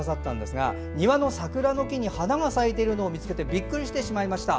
庭の桜の木に花が咲いているのを見つけてびっくりしてしまいました。